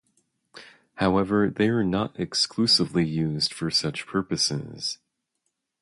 However, they are not exclusively used for such purposes.